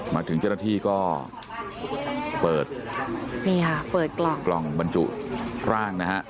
มาถึงเจ้าหน้าที่ก็เปิดกล่องบรรจุร่างนะครับ